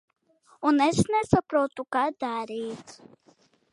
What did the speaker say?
Man vajag nemitīgu kustību, ātrumu. Puikas palūdza, lai aizvedu uz centru.